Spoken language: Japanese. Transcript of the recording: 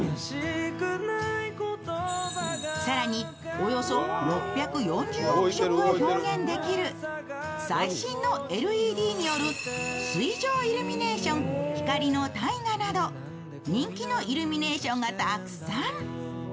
更に、およそ６４０億色を表現できる最新のＬＥＤによる水上イルミネーション・光の大河など人気のイルミネーションがたくさん。